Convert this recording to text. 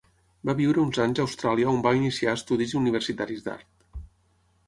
Va viure uns anys a Austràlia on va iniciar estudis universitaris d'art.